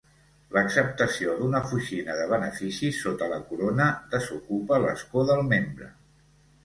L'acceptació d'una oficina de beneficis sota la Corona desocupa l'escó del membre.